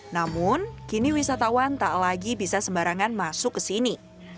namun kini wisatawan tak lagi bisa sembarangan masuk ke sini